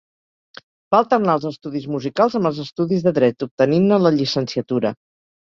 Va alternar els estudis musicals amb els estudis de dret, obtenint-ne la llicenciatura.